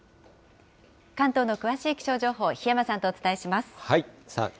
関東の詳しい気象情報、檜山さんとお伝えします。